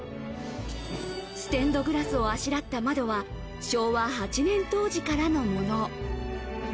ステンドグラスをあしらった窓は、昭和８年当時からのもの。